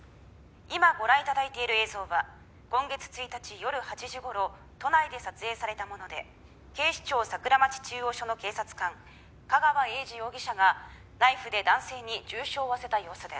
「今ご覧頂いている映像は今月１日夜８時頃都内で撮影されたもので警視庁桜町中央署の警察官架川英児容疑者がナイフで男性に重傷を負わせた様子です」